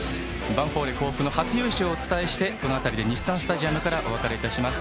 ヴァンフォーレ甲府の初優勝をお伝えしてこの辺りで日産スタジアムからお別れいたします。